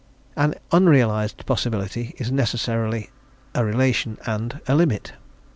"An unrealised possibility is necessarily (a relation and) a limit."